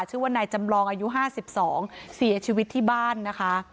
ชื่อว่านายจำลองอายุ๕๒เสียชีวิตที่บ้านนะคะ